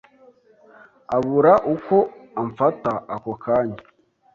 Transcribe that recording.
abura uko amfata ako kanya